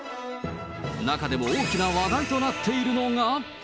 中でも大きな話題となっているのが。